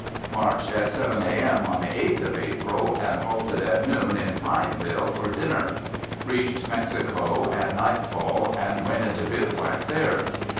Marched at 7:00 A.M. on the 8th of April, and halted at noon in Pineville for dinner. Reached Mexico at nightfall, and went into bivouac there.